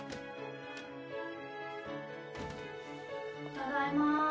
ただいま。